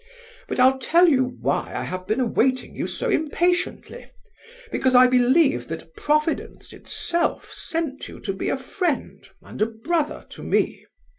But I'll tell you why I have been awaiting you so impatiently, because I believe that Providence itself sent you to be a friend and a brother to me.